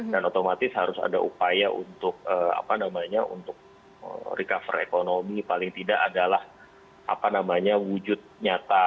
dan otomatis harus ada upaya untuk apa namanya untuk recover ekonomi paling tidak adalah apa namanya wujud nyata